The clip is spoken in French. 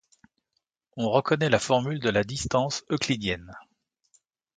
On reconnaît la formule de la distance euclidienne.